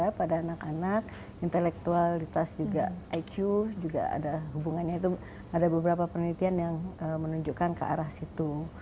jadi itu juga pada anak anak intelektualitas juga iq juga ada hubungannya itu ada beberapa penelitian yang menunjukkan ke arah situ